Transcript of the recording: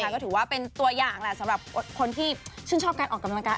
ก็ถือว่าเป็นตัวอย่างแหละสำหรับคนที่ชื่นชอบการออกกำลังกาย